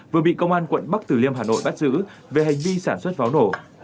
vừa bị công an quận bắc tử liêm hà nội bắt giữ về hành vi sản xuất pháo nổ